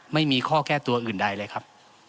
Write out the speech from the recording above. ไม่มีข้อแก้ตัวอื่นใดเลยครับ